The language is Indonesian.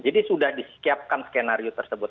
jadi sudah disiapkan skenario tersebut